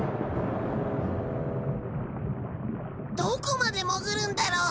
どこまで潜るんだろう？